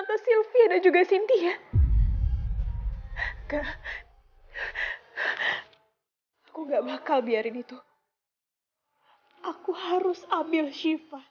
afif ada apa sih